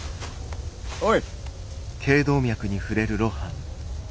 おい。